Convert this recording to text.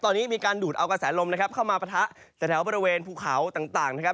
ตอนนี้มีการดูดเอากระแสลมนะครับเข้ามาปะทะแถวบริเวณภูเขาต่างนะครับ